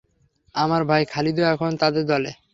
আমার ভাই খালিদও এখন তাদের দলে।